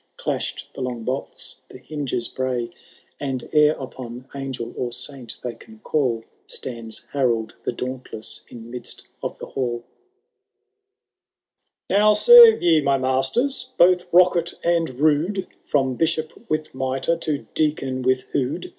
Clashed the long bolts, the hinges bray, And, ere upon angel or saint they can call. Stands Harold the Dauntless in midst of the halL 160 KAAOLS THB DAT7NTL188. Canto IV, IV. Now tave ye, my masteiB, both rocket and rood. From Bishop with mitre to Deacon with hood